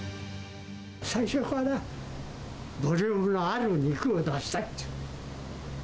最初からボリュームのある肉を出したいと。